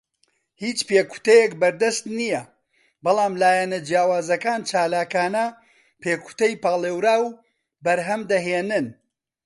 هیچ پێکوتەیەک بەردەست نییە، بەڵام لایەنە جیاوازەکان چالاکانە پێکوتەی پاڵێوراو بەرهەم دەهێنن.